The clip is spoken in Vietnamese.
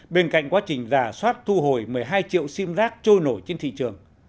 bên cạnh quá trình giả soát thu hồi một mươi hai triệu sim rác trôi nổi trên thị trường